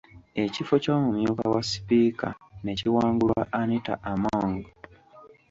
Ekifo ky’omumyuka wa sipiika ne kiwangulwa Anita Among.